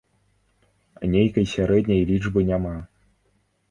Нейкай сярэдняй лічбы няма.